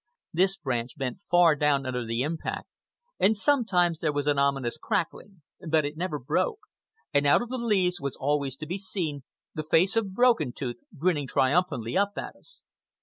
This branch bent far down under the impact, and sometimes there was an ominous crackling; but it never broke, and out of the leaves was always to be seen the face of Broken Tooth grinning triumphantly up at us.